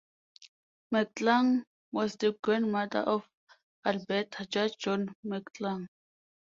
McClung was the grandmother of Alberta judge John McClung.